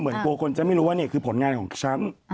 เหมือนกว่าคนจะไม่รู้ว่าคือผลงานของฉัน